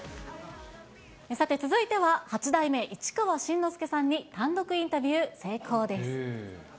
さて続いては、八代目市川新之助さんに単独インタビュー成功です。